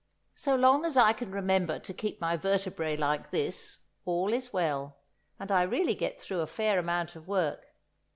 So long as I can remember to keep my vertebræ like this, all is well, and I really get through a fair amount of work.